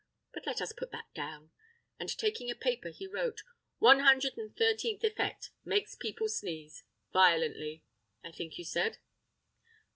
But let us put that down;" and taking a paper he wrote, "One hundred and thirteenth effect, makes people sneeze; violently, I think you said?